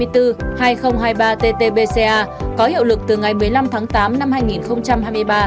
thông tư hai mươi bốn hai nghìn hai mươi ba tt pca có hiệu lực từ ngày một mươi năm tháng tám năm hai nghìn hai mươi ba